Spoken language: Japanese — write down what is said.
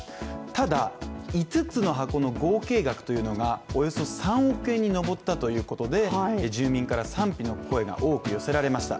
ただ、５つの箱の合計額がおよそ３億円に上ったということで住民から賛否の声が多く寄せられました。